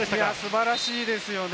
素晴らしいですよね。